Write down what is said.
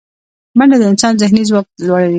منډه د انسان ذهني ځواک لوړوي